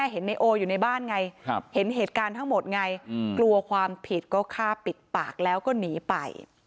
เห็นเหตุการณ์ทั้งหมดไงกลัวความผิดก็ฆ่าปิดปากแล้วก็หนีไป